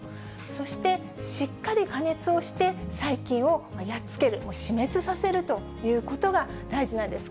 そしてしっかり加熱をして、細菌をやっつける、死滅させるということが大事なんです。